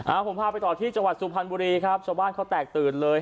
ผมพาไปต่อที่จังหวัดสุพรรณบุรีครับชาวบ้านเขาแตกตื่นเลย